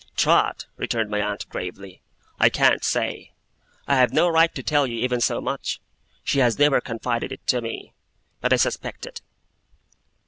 'Trot,' returned my aunt gravely, 'I can't say. I have no right to tell you even so much. She has never confided it to me, but I suspect it.